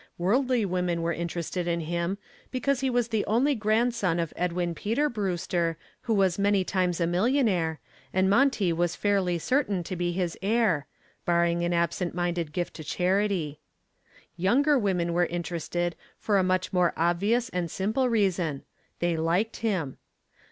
Worldly women were interested in him because he was the only grandson of Edwin Peter Brewster, who was many times a millionaire, and Monty was fairly certain to be his heir barring an absent minded gift to charity. Younger women were interested for a much more obvious and simple reason: they liked him.